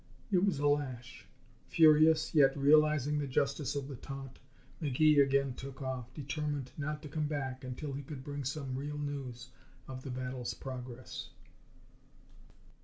It was a lash. Furious, yet realizing the justice of the taunt, McGee again took off, determined not to come back until he could bring some real news of the battle's progress.